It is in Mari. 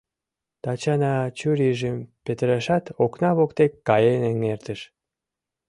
— Тачана чурийжым петырышат, окна воктек каен эҥертыш.